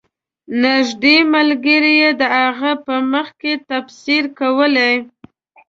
نږدې ملګرو یې د هغه په مخ کې تبصرې کولې.